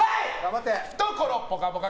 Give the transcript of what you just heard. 懐ぽかぽか！